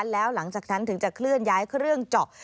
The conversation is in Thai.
แล้วหลังจากนั้นถึงจะเคลื่อนย้ายเครื่องเจาะ